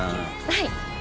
はい。